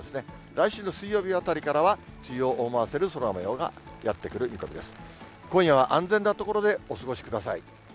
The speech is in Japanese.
来週の水曜日あたりからは、梅雨を思わせる空もようがやって来る見通しです。